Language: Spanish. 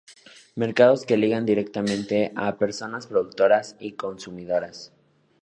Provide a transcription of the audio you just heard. mercados que ligan directamente a personas productoras y consumidoras